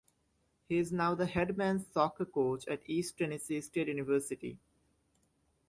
He is now the head men's soccer coach at East Tennessee State University.